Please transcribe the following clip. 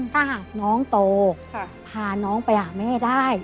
ถ้าหากน้องโตพาน้องไปหาแม่ได้